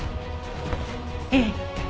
ええ。